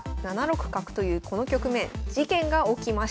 ７六角というこの局面事件が起きました。